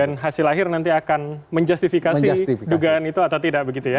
dan hasil akhir nanti akan menjustifikasi dugaan itu atau tidak begitu ya